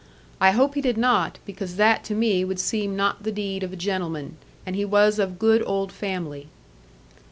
I hope he did not, because that to me would seem not the deed of a gentleman, and he was of good old family.